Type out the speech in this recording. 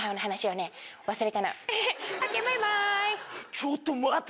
ちょっと待て！